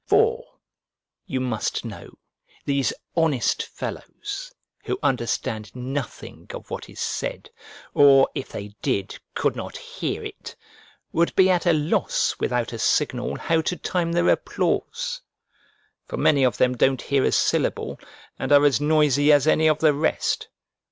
For, you must know, these honest fellows, who understand nothing of what is said, or, if they did, could not hear it, would be at a loss without a signal, how to time their applause: for many of them don't hear a syllable, and are as noisy as any of the rest.